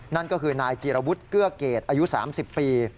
นั่นก็คือนายจีรวุฒิเกื้อเกตอายุ๓๐ปี